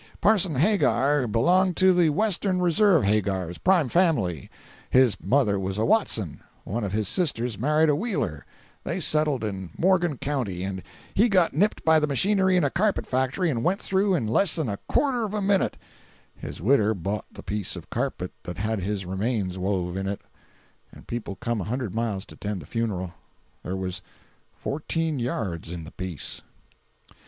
Parson Hagar belonged to the Western Reserve Hagars; prime family; his mother was a Watson; one of his sisters married a Wheeler; they settled in Morgan county, and he got nipped by the machinery in a carpet factory and went through in less than a quarter of a minute; his widder bought the piece of carpet that had his remains wove in, and people come a hundred mile to 'tend the funeral. There was fourteen yards in the piece.